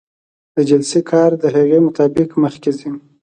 د جلسې کار د هغې مطابق مخکې ځي.